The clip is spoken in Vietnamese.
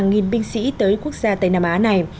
hàng nghìn binh sĩ tới quốc gia tây nam á này